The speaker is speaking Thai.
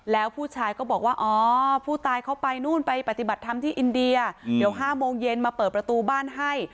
แล้วผู้ชายก็บอกว่าอ๋อผู้ตายเขาไปนู่นไปปฏิบัติธรรมที่อินเดียเดี๋ยว๕โมงเย็นมาเปิดประตูบ้านให้